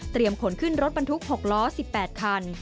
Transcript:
เตรียมขนขึ้นรถบรรทุก๖ล้อ๑๘คัน